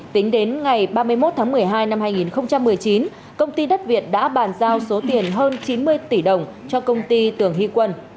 tính đến ngày ba mươi một tháng một mươi hai năm hai nghìn một mươi chín công ty đất việt đã bàn giao số tiền hơn chín mươi tỷ đồng cho công ty tường hy quân